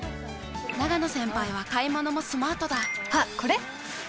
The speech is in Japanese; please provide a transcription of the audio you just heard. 永野先輩は買い物もスマートだ。